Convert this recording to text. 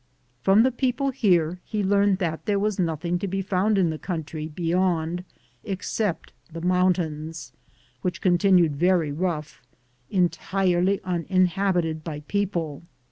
From the people here he learned that there was nothing to be found in the country beyond except the mountains, which continued very rough, en tirely uninhabited by people.